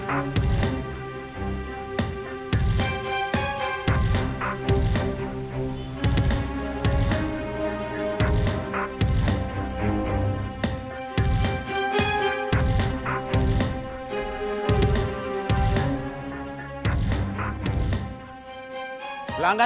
ini mah terug